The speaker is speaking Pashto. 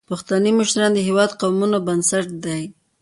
پښتني مشران د هیواد د قومونو بنسټ دي.